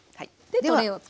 はい。